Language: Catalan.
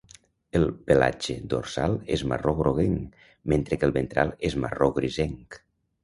El pelatge dorsal és marró groguenc, mentre que el ventral és marró grisenc.